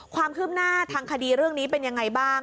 ความคืบหน้าทางคดีเรื่องนี้เป็นยังไงบ้าง